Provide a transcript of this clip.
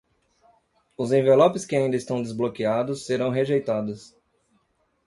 Os envelopes que ainda estão desbloqueados serão rejeitados.